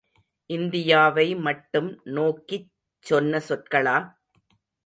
இந்தியாவை மட்டும் நோக்கிச் சொன்ன சொற்களா?